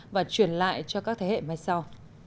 và truyền lại cho các thế hệ mai sau